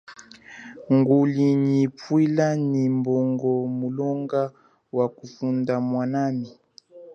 Nguli nyi pwila nyi mbongo mulonga wakufunda mwanami.